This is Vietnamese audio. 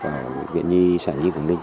ở biện viện